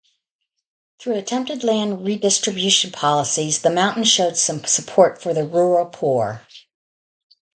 Through attempted land redistribution policies, the Mountain showed some support for the rural poor.